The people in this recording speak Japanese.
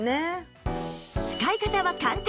使い方は簡単